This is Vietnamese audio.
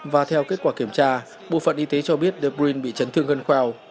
và theo kết quả kiểm tra bộ phận y tế cho biết de bruyne bị chấn thương gân khoèo